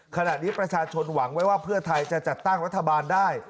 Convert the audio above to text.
ขณะนี้ประชาชนหวังไว้ว่าเพื่อไทยจะจัดตั้งรัฐบาลได้